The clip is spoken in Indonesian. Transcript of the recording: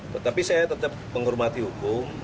tetapi saya tetap menghormati hukum